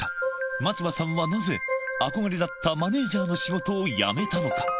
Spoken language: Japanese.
松葉さんはなぜ、憧れだったマネージャーの仕事を辞めたのか。